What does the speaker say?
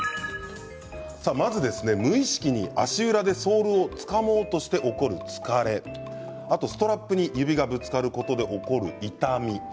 無意識に足裏でソールをつかもうとして起こる疲れストラップに指がぶつかることで起こる痛み